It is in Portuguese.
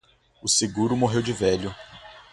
O seguro morreu de velho.